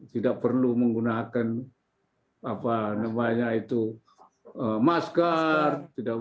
tidak perlu menggunakan masker